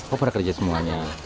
oh pada kerja semuanya